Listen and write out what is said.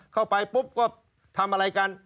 เข้าไปปุ๊บก็ทำอะไรกัน